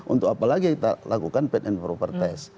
untuk apa lagi kita lakukan patent proper test